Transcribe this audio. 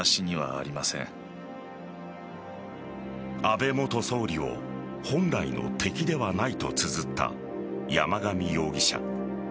安倍元総理を本来の敵ではないとつづった山上容疑者。